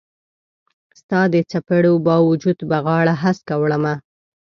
ستا د څیپړو با وجود به غاړه هسکه وړمه